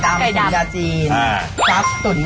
ได้เดี๋ยวชั้นชิม